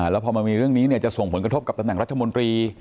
แล้วพอมันมีเรื่องนี้จะส่งผลกระทบกับตำแหน่งรัฐมนตรี